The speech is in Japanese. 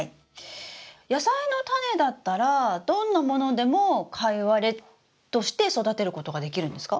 野菜のタネだったらどんなものでもカイワレとして育てることができるんですか？